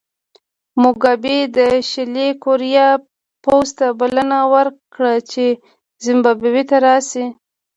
موګابي د شلي کوریا پوځ ته بلنه ورکړه چې زیمبابوې ته راشي.